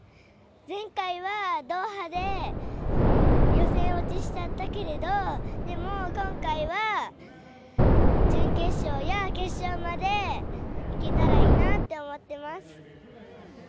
前回はドーハで予選落ちしちゃったけれど、でも今回は準決勝や決勝まで行けたらいいなって思ってます。